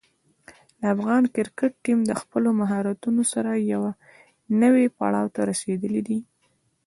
د افغان کرکټ ټیم د خپلو مهارتونو سره یوه نوې پړاو ته رسېدلی دی.